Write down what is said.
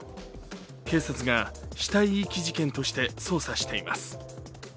警察が死体遺棄事件として捜査しています。